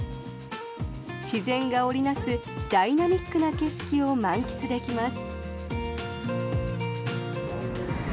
自然が織りなすダイナミックな景色を満喫できます。